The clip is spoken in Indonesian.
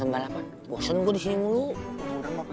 bosan gue disini mulu